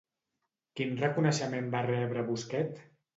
Quin reconeixement va rebre Busquet?